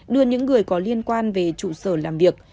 đưa những người có liên quan về trụ sở làm việc